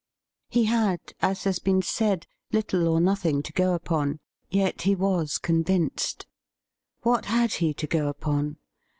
He had, as has been said, little or nothing to go upon. Yet he was convinced. What had he to go upon